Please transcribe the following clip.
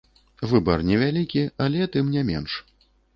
Выбар невялікі, але тым не менш.